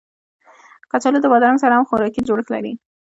کچالو د بادرنګ سره هم خوراکي جوړښت لري